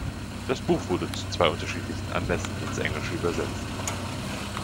Das Buch wurde zu zwei unterschiedlichen Anlässen ins Englische übersetzt.